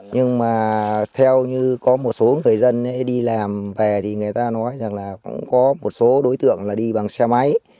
nhưng mà theo như có một số người dân đi làm về thì người ta nói rằng là cũng có một số đối tượng là đi bằng xe máy